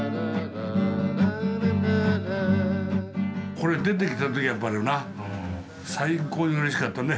これ出てきたときはやっぱりな最高にうれしかったね。